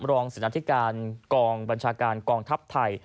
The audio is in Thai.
รองศินาธิการกองบัญชาการกองทัพไทย